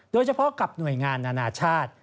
โดยเฉพาะกับหน่วยงานนานาชาติ